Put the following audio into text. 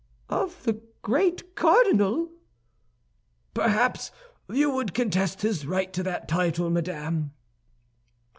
"Of the great cardinal!" "Perhaps you would contest his right to that title, madame?"